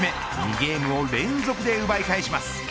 ゲームを連続で奪い返します。